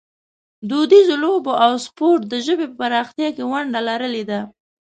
دودیزو لوبو او سپورټ د ژبې په پراختیا کې ونډه لرلې ده.